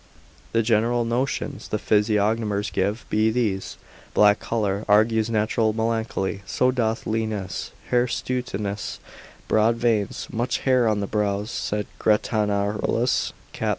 The general notions physiognomers give, be these; black colour argues natural melancholy; so doth leanness, hirsuteness, broad veins, much hair on the brows, saith Gratanarolus, cap.